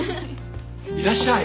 いらっしゃい。